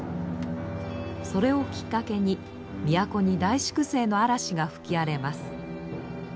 それをきっかけに都に大粛清の嵐が吹き荒れます。